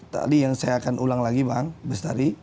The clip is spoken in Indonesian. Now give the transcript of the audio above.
tadi yang saya akan ulang lagi bang bestari